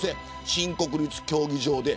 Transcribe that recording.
新国立競技場です。